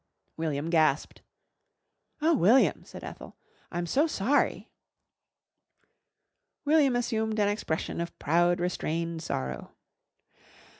William gasped. "Oh, William!" said Ethel, "I'm so sorry." William assumed an expression of proud, restrained sorrow.